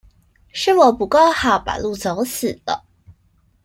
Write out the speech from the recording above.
是我不夠好，把路走死了